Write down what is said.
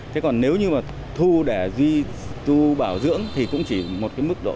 thế còn nếu như thu để duy tu bảo dưỡng thì cũng chỉ một cái mức